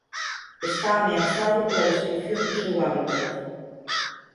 Está ameazado pola destrución do seu hábitat.